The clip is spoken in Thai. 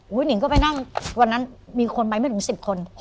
หนิงก็ไปนั่งวันนั้นมีคนไปไม่ถึง๑๐คน